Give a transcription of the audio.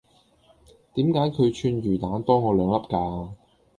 點解佢串魚蛋多我兩粒㗎?